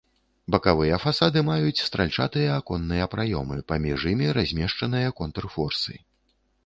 Бакавыя фасады маюць стральчатыя аконныя праёмы, паміж імі размешчаныя контрфорсы.